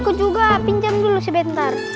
ikut juga pinjam dulu sebentar